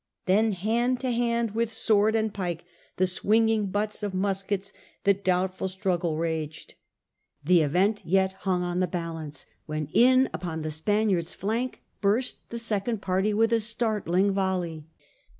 Then hand to hand, with sword and pike and the swinging butts of n THE FIGHT ON THE PLAZA 27 muskets, the doubtful struggle raged. The event yet hung on the balance, when in upon the Spaniards' flank burst the second party with a startling volley.